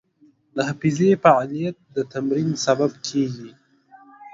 د حافظې فعالیت د تمرین سبب کېږي.